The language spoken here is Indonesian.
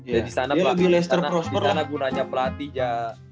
ya disana gunanya pelatih aja